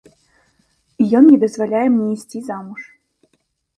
Ён не дазваляе мне ісці замуж.